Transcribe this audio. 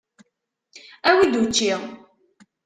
Awi-d učči!